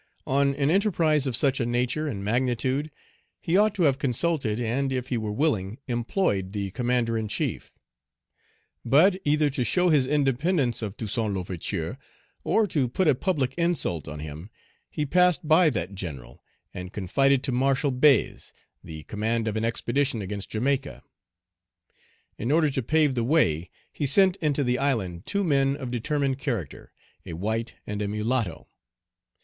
On an enterprise of such a nature and magnitude, he ought to have consulted, and, if he were willing, employed, the Commander in chief. But, either to show his independence of Toussaint L'Ouverture, or to put a public insult on him, he passed by that General, and confided to Marshall Bese the command of an expedition against Jamaica. In order to pave the way, he sent into the island two men of determined character, a white and a mulatto.